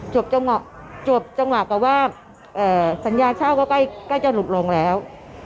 จบจังหวะกับว่าสัญญาเช่าก็ใกล้จะหลุดลงแล้ว